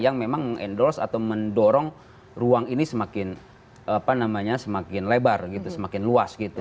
yang memang mengendorse atau mendorong ruang ini semakin lebar gitu semakin luas gitu